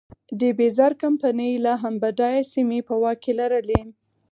ډي بیرز کمپنۍ لا هم بډایه سیمې په واک کې لرلې.